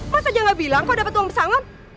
mas aja gak bilang kok dapet uang pesangon